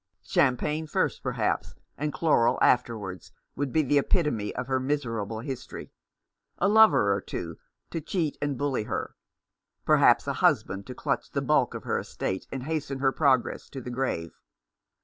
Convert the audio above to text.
Cham pagne first, perhaps, and chloral afterwards, would be the epitome of her miserable history. A lover or two, to cheat and bully her ; perhaps a husband to clutch the bulk of her estate and hasten her progress to the grave.